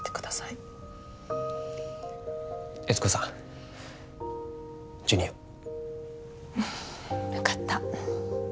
うん分かった。